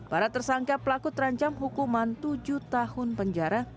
para tersangka pelaku terancam hukuman tujuh tahun penjara